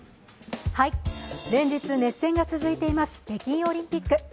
連日、熱戦が続いています北京オリンピック。